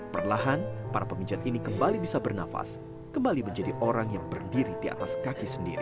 perlahan para pemijat ini kembali bisa bernafas kembali menjadi orang yang berdiri di atas kaki sendiri